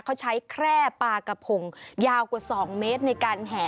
เขาใช้แคร่ปลากระพงยาวกว่า๒เมตรในการแห่